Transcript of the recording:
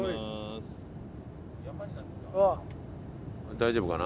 大丈夫かな？